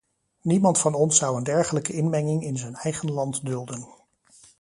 Niemand van ons zou een dergelijke inmenging in zijn eigen land dulden.